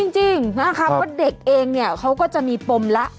จริงนะครับเพราะเด็กเองเนี่ยเขาก็จะมีปมแล้ว